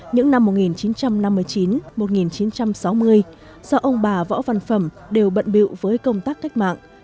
những năm một nghìn chín trăm năm mươi chín một nghìn chín trăm sáu mươi do ông bà võ văn phẩm đều bận biệu với công tác cách mạng